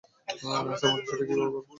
রাজ, - আমাকে, সেটা কিভাবে?